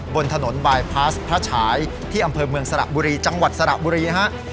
บนถนนบายพาสพระฉายที่อำเภอเมืองสระบุรีจังหวัดสระบุรีฮะ